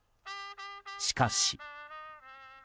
しかし。